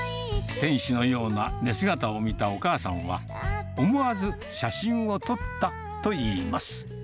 天使のような寝姿を見たお母さんは、思わず写真を撮ったといいます。